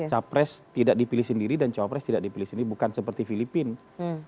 capres tidak dipilih sendiri dan cawapres tidak dipilih sendiri bukan seperti filipina